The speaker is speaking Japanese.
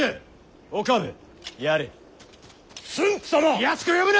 気安く呼ぶな！